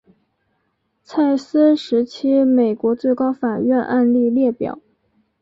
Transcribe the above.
蔡斯时期美国最高法院案例列表